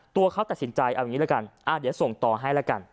ตัวเขาตัดสินใจเอาอย่างนี้ละกันเดี๋ยวส่งต่อให้แล้วกัน